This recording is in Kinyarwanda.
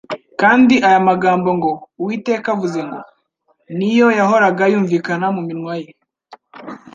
kandi aya magambo ngo : "Uwiteka avuze ngo" ni yo yahoraga yumvikana mu minwa ye.